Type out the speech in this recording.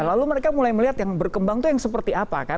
lalu mereka mulai melihat yang berkembang itu seperti apa